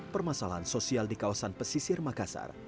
permasalahan sosial di kawasan pesisir makassar